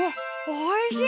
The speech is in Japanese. おいしい！